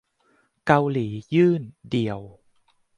เกาหลี ยื่น "เดี่ยว"